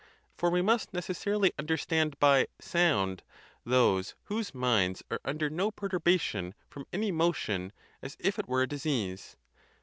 For we must necessarily understand by "sound" those whose minds are under no perturbation from any motion as if it were a disease.